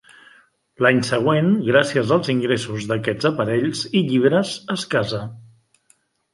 L'any següent, gràcies als ingressos d'aquests aparells i llibres, es casa.